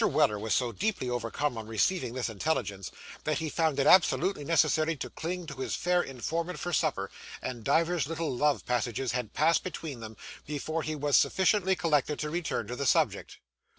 Weller was so deeply overcome on receiving this intelligence that he found it absolutely necessary to cling to his fair informant for support; and divers little love passages had passed between them, before he was sufficiently collected to return to the subject.